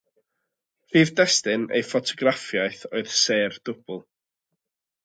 Prif destun ei ffotograffiaeth oedd sêr dwbl.